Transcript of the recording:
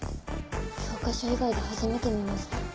教科書以外で初めて見ました。